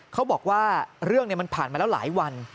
เขาบอกว่าเรื่องมันผ่านมาแล้วหลายวัน